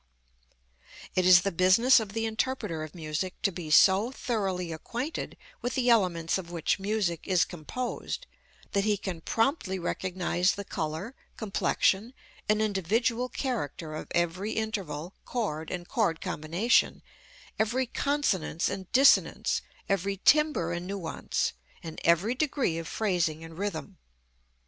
It is the business of the interpreter of music to be so thoroughly acquainted with the elements of which music is composed that he can promptly recognize the color, complexion and individual character of every interval, chord and chord combination, every consonance and dissonance, every timbre and nuance, and every degree of phrasing and rhythm.